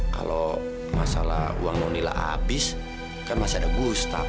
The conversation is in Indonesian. kalau masalah uang nonila abis kan masih ada gustaf